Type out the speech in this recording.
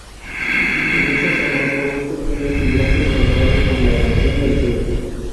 En esa zona hay pozos pequeños y grandes causados por la erosión del río.